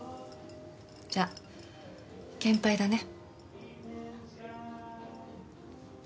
じゃあ献杯だね。